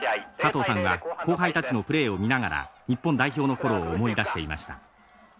加藤さんは後輩たちのプレーを見ながら日本代表の頃を思い出していました。